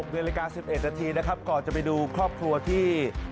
นาฬิกา๑๑นาทีนะครับก่อนจะไปดูครอบครัวที่